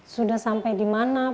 sudah sampai dimana